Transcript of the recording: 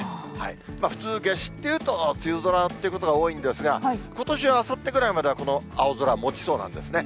普通、夏至っていうと、梅雨空ってことが多いんですが、ことしはあさってぐらいまでは、この青空もちそうなんですね。